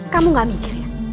kamu gak mikir ya